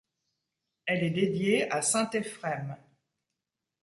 Elle est dédiée à saint Éphrem.